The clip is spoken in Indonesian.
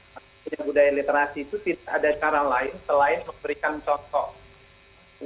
dan juga budaya literasi itu tidak ada cara lain selain memberikan contoh